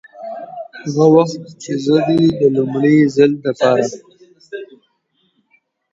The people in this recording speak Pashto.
هغه وخت چې زه دې د لومړي ځل دپاره